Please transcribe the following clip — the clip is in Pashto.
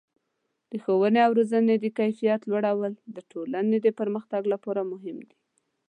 د ښوونې او روزنې د کیفیت لوړول د ټولنې د پرمختګ لپاره مهم دي.